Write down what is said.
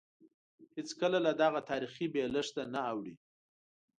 هېڅکله له دغه تاریخي بېلښته نه اوړي.